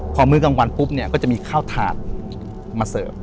พอมื้อกลางวันปุ๊บเนี่ยก็จะมีข้าวถาดมาเสิร์ฟ